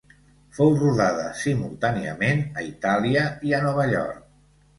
Fou rodada simultàniament a Itàlia i a Nova York.